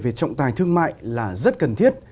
về trồng tài thương mại là rất cần thiết